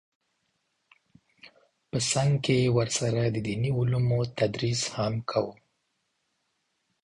په څنګ کې یې ورسره د دیني علومو تدریس هم کاوه